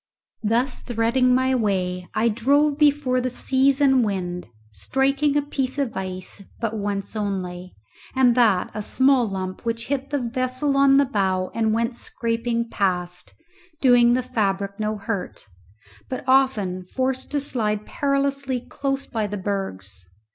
Thus threading my way I drove before the seas and wind, striking a piece of ice but once only, and that a small lump which hit the vessel on the bow and went scraping past, doing the fabric no hurt; but often forced to slide perilously close by the bergs.